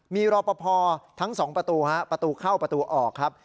มีรอปภทั้งสองประตูฮะประตูเข้าประตูออกครับ